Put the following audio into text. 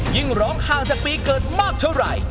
ยิ่งร้อง๕๐ปีเกิดมากเท่าไหร่